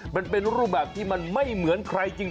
มันเป็นรูปแบบที่มันไม่เหมือนใครจริง